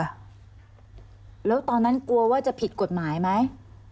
แล้วตอนนั้นกลัวว่าจะผิดกฎหมายไหม